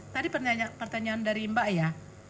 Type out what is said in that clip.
tadi pertanyaan dari mbak ya